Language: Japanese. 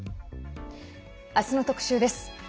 あすの特集です。